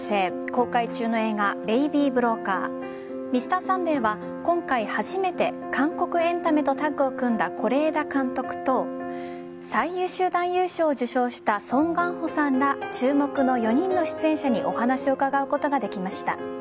公開中の映画「ベイビー・ブローカー」「Ｍｒ．サンデー」は今回初めて韓国エンタメとタッグを組んだ是枝監督と最優秀男優賞を受賞したソン・ガンホさんら注目の４人の出演者にお話を伺うことができました。